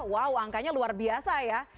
wow angkanya luar biasa ya